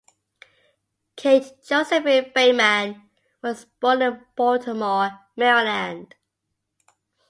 Kate Josephine Bateman was born in Baltimore, Maryland.